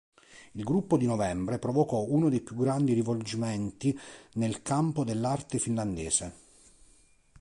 Il Gruppo di Novembre provocò uno dei più grandi rivolgimenti nel campo dell'arte finlandese.